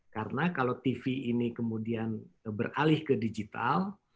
karena kalau tv ini kemudian beralih ke digital